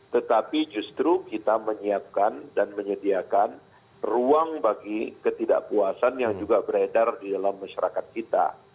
tetapi justru kita menyiapkan dan menyediakan ruang bagi ketidakpuasan yang juga beredar di dalam masyarakat kita